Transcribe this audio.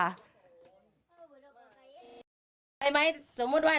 แยกได้หมูตื้อ